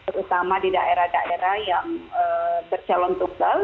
terutama di daerah daerah yang bercalon tunggal